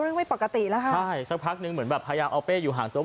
ไม่ปกติแล้วค่ะใช่สักพักนึงเหมือนแบบพยายามเอาเป้อยู่ห่างตัว